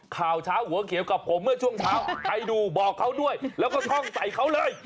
ข่าวเช้าหัวเขียวกับผมเมื่อช่วงเช้าใครดูบอกเขาด้วยแล้วก็ท่องใส่เขาเลย